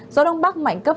gió đông bắc mạnh cấp năm